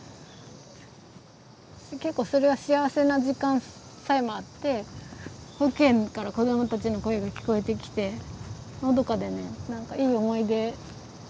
結構それは幸せな時間さえもあって保育園から子どもたちの声が聞こえてきてのどかでねいい思い出も結構あります。